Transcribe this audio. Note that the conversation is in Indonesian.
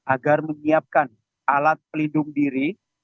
agar menyiapkan alat pelindung diri